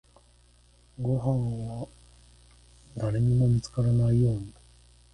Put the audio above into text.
ごんは誰にも見つからないよう慎重に家へ近づき、そっと戸口に栗を置いて足早に森の中へ戻りました。